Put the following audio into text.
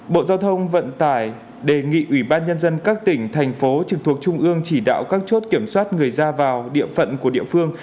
bộ giao thông vận tải đề nghị ủy ban nhân dân các tỉnh thành phố trực thuộc trung ương chỉ đạo các chốt kiểm soát người ra vào địa phận của địa phương